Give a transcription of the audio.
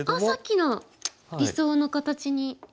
あっさっきの理想の形に。